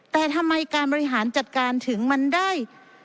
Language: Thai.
แต่ทำไมการบริหารจัดการถึงมันได้